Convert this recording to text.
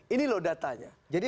ini loh datanya